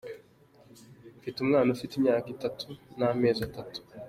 Mfite umwana, ufite imyaka itatu n'amezi atatu.